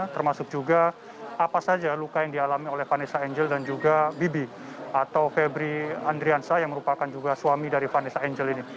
termasuk juga apa saja luka yang dialami oleh vanessa angel dan juga bibi atau febri andriansa yang merupakan juga suami dari vanessa angel ini